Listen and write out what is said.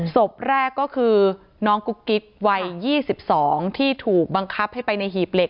ศพแรกก็คือน้องกุ๊กกิ๊กวัย๒๒ที่ถูกบังคับให้ไปในหีบเหล็